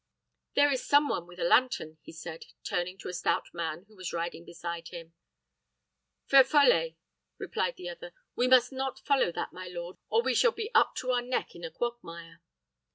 "There is some one with a lantern," he said, turning to a stout man who was riding beside him. "Feu follet," replied the other. "We must not follow that, my lord, or we shall be up to our neck in a quagmire."